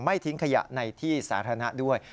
ทิ้งขยะในที่สาธารณะด้วย